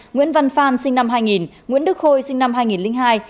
nguyễn văn phan sinh năm hai nghìn nguyễn đức khôi sinh năm hai nghìn hai